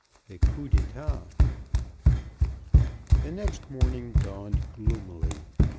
XI THE COUP D'ÉTAT The next morning dawned gloomily.